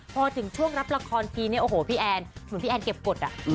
พอถึงช่วงรับละครทีนี้โอ้โหพี่แอนเหมือนพี่แอนเก็บกฎ